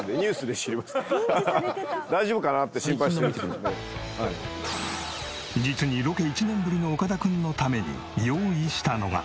大丈夫かなって実にロケ１年ぶりの岡田君のために用意したのが。